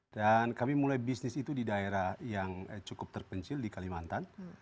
dan kami mulai bisnis itu di daerah yang cukup terpencil di kalimantan